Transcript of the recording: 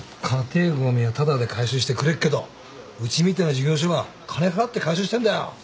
家庭ごみはタダで回収してくれっけどうちみてえな事業所は金払って回収してんだよ。